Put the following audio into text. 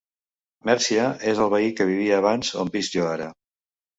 Mèrcia és el veí que vivia abans on visc jo ara.